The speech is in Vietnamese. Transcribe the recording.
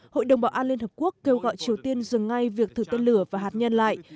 hội đồng bảo an liên hợp quốc kêu gọi triều tiên dừng ngay việc thử tên lửa và hạt nhân lại